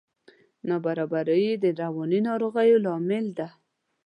نابرابري د رواني ناروغیو لامل ده.